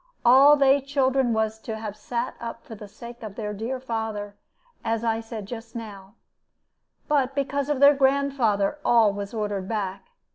All they children was to have sat up for the sake of their dear father, as I said just now; but because of their grandfather all was ordered back.